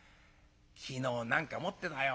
昨日何か持ってたよ。